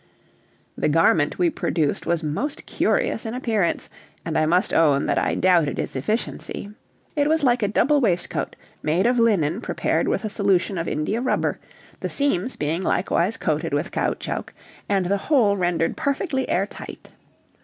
The garment we produced was most curious in appearance, and I must own that I doubted its efficiency. It was like a double waistcoat, made of linen prepared with a solution of india rubber, the seams being likewise coated with caoutchouc, and the whole rendered perfectly air tight.